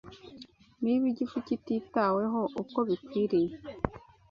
Niba igifu kititaweho uko bikwiriye,